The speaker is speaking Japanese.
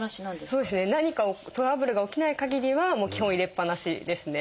そうですね何かトラブルが起きないかぎりは基本入れっぱなしですね。